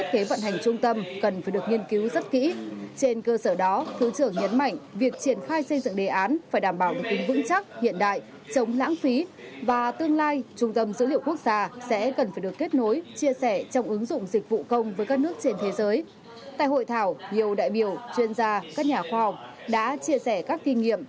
tại hội thảo nhiều đại biểu chuyên gia các nhà khoa học đã chia sẻ các kinh nghiệm